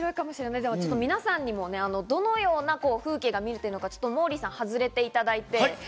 皆さんにもどのような風景が見えているのか、モーリーさんに外れていただいて。